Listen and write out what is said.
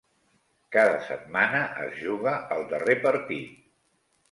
Cada setmana es juga el 'darrer partit'.